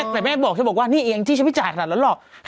แต่แม่บอกฉันบอกว่านี่เองที่ฉันไม่จ่ายขนาดนั้นหรอก